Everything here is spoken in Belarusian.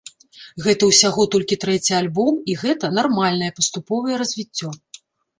Гэта ўсяго толькі трэці альбом, і гэта нармальнае паступовае развіццё.